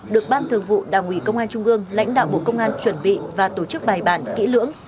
được ban thường vụ đảng ủy công an trung ương lãnh đạo bộ công an chuẩn bị và tổ chức bài bản kỹ lưỡng